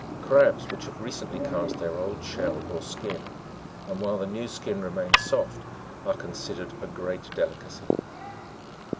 Crabs which have recently cast their old shell or skin, and while the new skin remains soft, are considered a great delicacy.